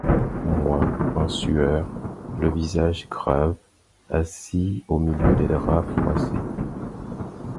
Moi, en sueur, le visage grave, assis au milieu des draps froissés.